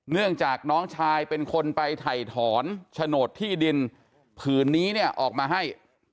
เนื่องจากน้องชายเป็นคนไปถ่ายถอนโฉนดที่ดินผืนนี้เนี่ยออกมาให้